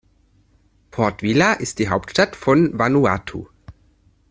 Port Vila ist die Hauptstadt von Vanuatu.